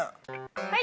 はい！